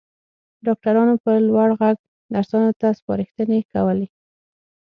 ډاکټرانو په لوړ غږ نرسانو ته سپارښتنې کولې.